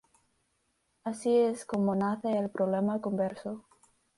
Así es como nace el "problema converso".